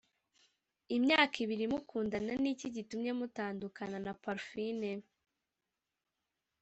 Imyaka ibiri mukundana n’iki gitumye mutandukana na Parfine”